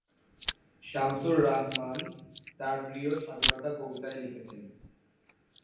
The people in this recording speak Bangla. শামসুর রাহমান তাঁর প্রিয় স্বাধীনতা কবিতায় লিখেছেন,